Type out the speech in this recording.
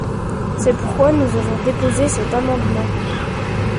C’est pourquoi nous avons déposé cet amendement.